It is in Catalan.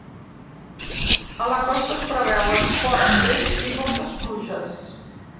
A la costa es preveuen fort vent i moltes pluges.